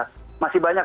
masih banyak pertimbangan